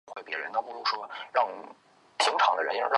王沂孙人。